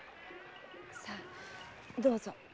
さあどうぞ。